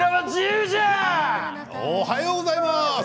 おはようございます。